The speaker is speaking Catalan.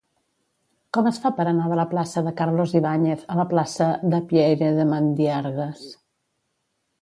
Com es fa per anar de la plaça de Carlos Ibáñez a la plaça de Pieyre de Mandiargues?